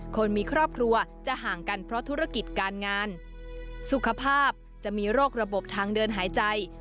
คนมีครอบครัวจะห่างกันเพราะธุรกิจการงานสุขภาพจะมีโรคระบบทางเดินหายใจ